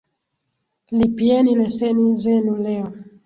Lipieni leseni zenu leo.